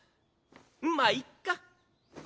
まっいっか。